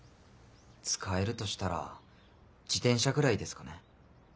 使えるとしたら自転車ぐらいですかね。